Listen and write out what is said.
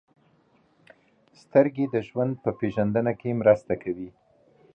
• سترګې د ژوند په پېژندنه کې مرسته کوي.